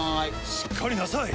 しっかりなさい！